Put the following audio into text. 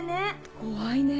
怖いねぇ。